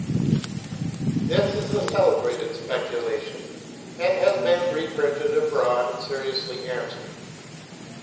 This is a celebrated speculation, and has been reprinted abroad, and seriously answered.